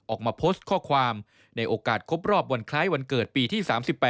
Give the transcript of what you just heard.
ออกมาโพสต์ข้อความในโอกาสครบรอบวันคล้ายวันเกิดปีที่๓๘